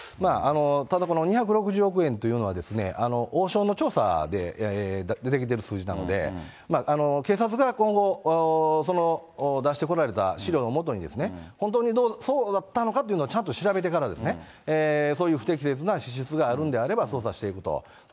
ただこの２６０億円というのは、王将の調査で出てきてる数字なので、警察が今後、出してこられた資料を基に、本当にそうだったのかというのをちゃんと調べてからですね、そういう不適切な支出があるのであれば捜査していくと。